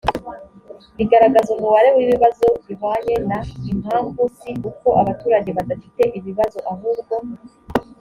igaragaza umubare w ibibazo bihwanye na impamvu si uko abaturage badafite ibibazo ahubwo